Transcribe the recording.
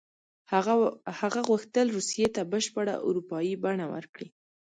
هغه غوښتل روسیې ته بشپړه اروپایي بڼه ورکړي.